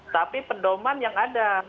tapi pendoman yang ada